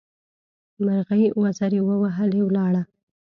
مرغۍ وزرې ووهلې؛ ولاړه.